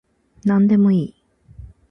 なんでもいい